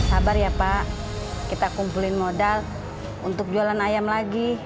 sabar ya pak kita kumpulin modal untuk jualan ayam lagi